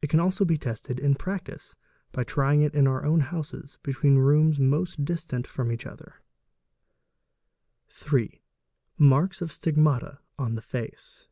It can also be tested in practice, by trying it in our own houses between rooms most distant from each other (6% 695), 3. Marks of Stigmata on the Face.